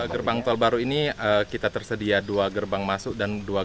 gerbang tol baru ini kita tersedia dua gerbang masuk dan dua ger